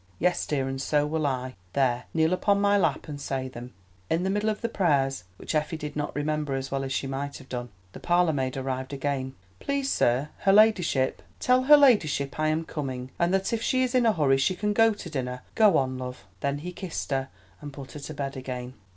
"Yes, dear, and so will I. There, kneel upon my lap and say them." In the middle of the prayers—which Effie did not remember as well as she might have done—the parlourmaid arrived again. "Please, sir, her ladyship——" "Tell her ladyship I am coming, and that if she is in a hurry she can go to dinner! Go on, love." Then he kissed her and put her to bed again.